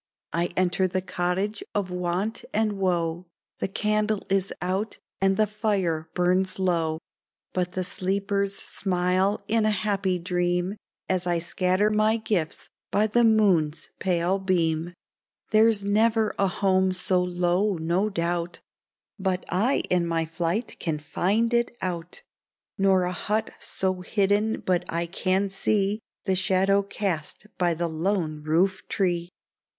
I enter the cottage of want and woe — The candle is out, and the fire burns low ; But the sleepers smile in a happy dream As I scatter my gifts by the moon's pale beam. 4l6 SANTA CLAUS '' There's never a home so low, no doubt, But I in my flight can find it out ; Nor a hut so hidden but I can see The shadow cast by the lone roof tree